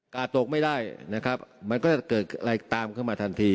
กาดตกไม่ได้นะครับมันก็จะเกิดอะไรตามเข้ามาทันที